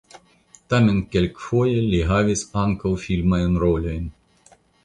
Tamen kelkfoje li havis ankaŭ filmajn rolojn.